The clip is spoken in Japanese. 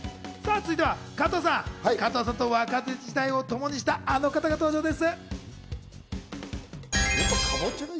続いては加藤さんと若手時代をともにしたあの方の登場です。